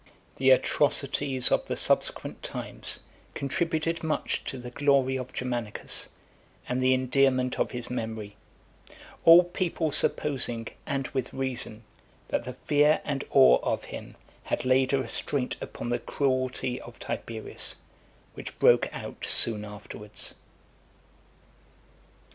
The atrocities of the subsequent times contributed much to the glory of Germanicus, and the endearment of his memory; all people supposing, and with reason, that the fear and awe of him had laid a restraint upon the cruelty of Tiberius, which broke out soon afterwards.